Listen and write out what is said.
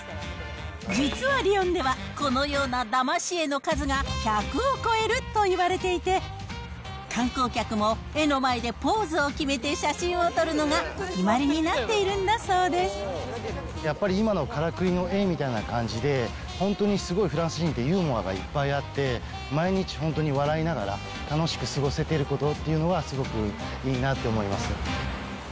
実はリヨンでは、このようなだまし絵の数が１００を超えるといわれていて、観光客も絵の前でポーズを決めて写真を撮るのが決まりになっていやっぱり今のからくりの絵みたいな感じで、本当にすごいフランス人ってユーモアがいっぱいあって、毎日本当に笑いながら、楽しく過ごせてることっていうのはすごくいいなって思います。